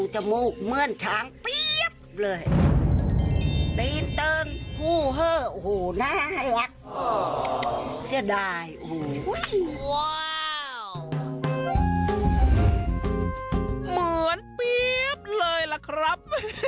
เหมือนเปี๊บเลยล่ะครับ